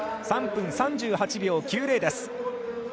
３分３８秒９０です。